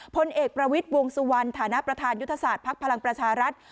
พลเอกประวิทย์วงสุวรรณฐานะประธานยุทธศาสตร์ภักดิ์พลังประชารัฐ